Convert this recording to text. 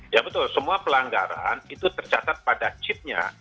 ya betul semua pelanggaran itu tercatat pada chip nya